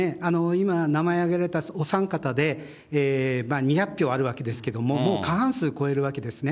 今、名前挙げられたお三方で、２００票あるわけですけど、もうか半数超えるわけですね。